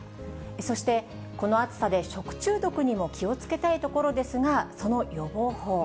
そして、この暑さで食中毒にも気をつけたいところですが、その予防法。